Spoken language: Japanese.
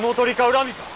恨みか？